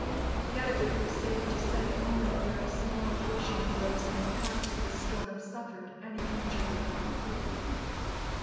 Yet, it would be safe to say only a very small portion of those in the path of the storm suffered any injury.